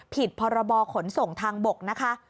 ผิดพรบขนส่งทางบกนะคะ